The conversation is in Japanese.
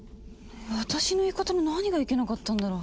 私の言い方の何がいけなかったんだろう？